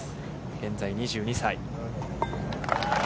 現在、２２歳。